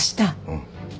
うん。